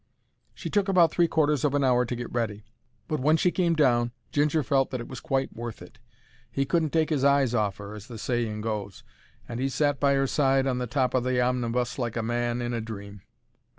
She took about three quarters of an hour to get ready, but when she came down, Ginger felt that it was quite worth it. He couldn't take 'is eyes off 'er, as the saying goes, and 'e sat by 'er side on the top of the omnibus like a man in a dream.